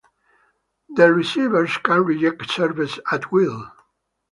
The receivers can reject serves at will.